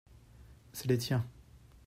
C’est les tiens.